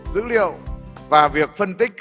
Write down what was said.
dữ liệu và việc phân tích